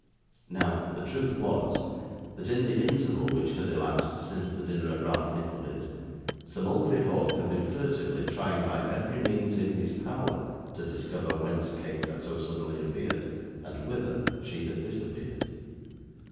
Now, the truth was, that in the interval which had elapsed since the dinner at Ralph Nickleby's, Sir Mulberry Hawk had been furtively trying by every means in his power to discover whence Kate had so suddenly appeared, and whither she had disappeared.